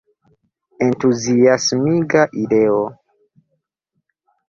Entuziasmiga ideo….